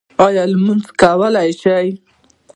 ایا لمونځ کولی شئ؟